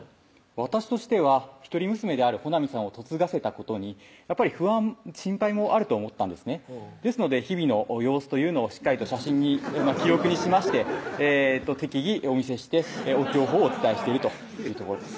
私としては一人娘である穂南さんを嫁がせたことにやっぱり不安・心配もあると思ったんですねですので日々の様子というのをしっかりと写真に記録にしまして適宜お見せして情報をお伝えしているというところです